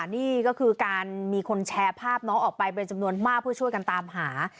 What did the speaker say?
นี่ก็คือการมีคนแชร์ภาพน้องออกไปเป็นจำนวนมากเพื่อช่วยกันตามหา